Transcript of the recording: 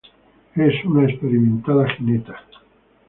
Es una experimentada jinete.